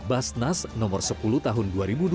basnas nomor sepuluh tahun dua ribu dua puluh